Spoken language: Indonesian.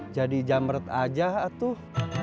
jadi jamret aja atuh